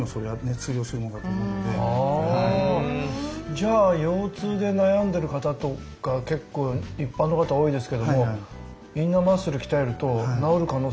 じゃあ腰痛で悩んでる方とか結構一般の方多いですけどもインナーマッスル鍛えると治る可能性は出てくるんですね。